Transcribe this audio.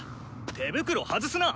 手袋外すな！